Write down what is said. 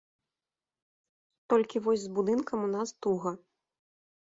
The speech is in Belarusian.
Толькі вось з будынкам у нас туга.